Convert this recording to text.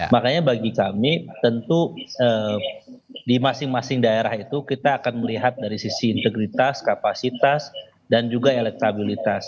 makanya bagi kami tentu di masing masing daerah itu kita akan melihat dari sisi integritas kapasitas dan juga elektabilitas